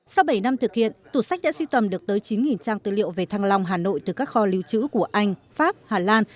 sau bảy năm thực hiện tủ sách đã suy tầm được tới chín trang tư liệu về thăng long hà nội từ các kho lưu trữ của anh pháp hà lan